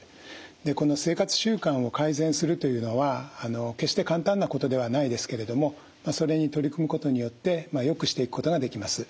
この生活習慣を改善するというのは決して簡単なことではないですけれどもそれに取り組むことによってよくしていくことができます。